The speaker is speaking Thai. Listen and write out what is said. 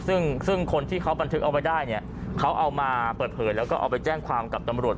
ซึ่งคนที่เขาบันทึกเอาไว้ได้เนี่ยเขาเอามาเปิดเผยแล้วก็เอาไปแจ้งความกับตำรวจ